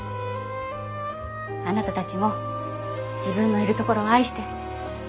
あなたたちも自分のいるところを愛して。